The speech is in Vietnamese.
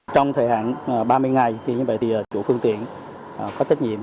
trong thời hạn ba mươi ngày thì như vậy thì chủ phương tiện có trách nhiệm